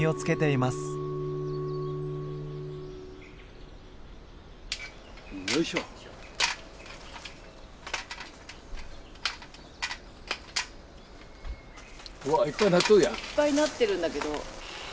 いっぱいなってるんだけど。